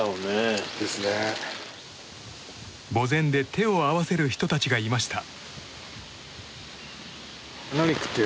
墓前で手を合わせる人たちがいました。